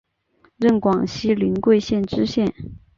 任广西临桂县知县。